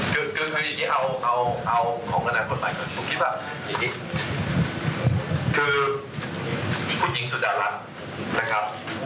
คือคืออย่างนี้เอาของขนาดคนใหม่ก่อนคิดว่าจริงคือผู้หญิงสุจรรย์รักนะครับ